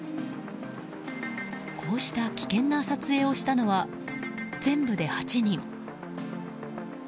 こうした危険な撮影をしたのは全部で８人。